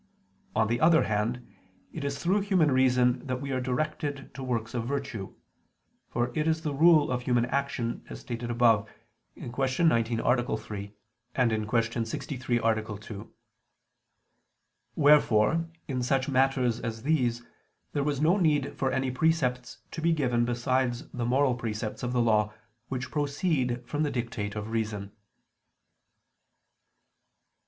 On the other hand, it is through human reason that we are directed to works of virtue, for it is the rule of human action, as stated above (Q. 19, A. 3; Q. 63, A. 2). Wherefore in such matters as these there was no need for any precepts to be given besides the moral precepts of the Law, which proceed from the dictate of reason.